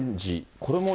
これも。